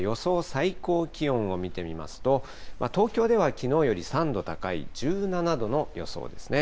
最高気温を見てみますと、東京ではきのうより３度高い１７度の予想ですね。